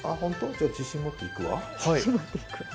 じゃ、自信持っていくわ。